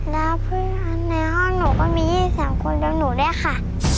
แล้วเพื่อนในห้องหนูก็มียี่สิบสามคนด้วยหนูด้วยค่ะ